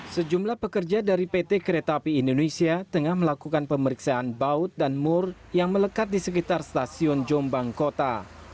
sejumlah pekerja dari pt kereta api indonesia tengah melakukan pemeriksaan baut dan mur yang melekat di sekitar stasiun jombang kota